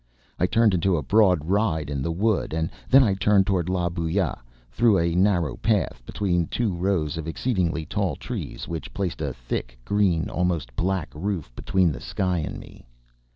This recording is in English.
I turned into a broad ride in the wood, and then I turned toward La Bouille, through a narrow path, between two rows of exceedingly tall trees, which placed a thick, green, almost black roof between the sky and me.